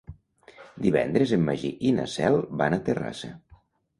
Divendres en Magí i na Cel van a Terrassa.